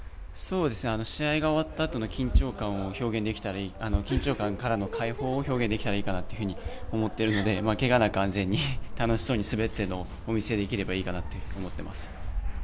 試合が終わったあとの緊張感からの解放を表現できたらいいかなと思っているので怪我なく安全に楽しそうに滑っているのをお見せできればいいかなと思っています。